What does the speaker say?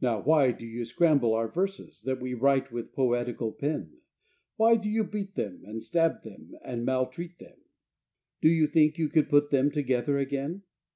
Now why do you scramble our verses, That we write with poetical pen, Why do you beat them And stab and maltreat them, Do you think you could put them together again?